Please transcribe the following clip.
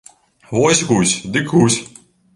Вось гусь, дык гусь!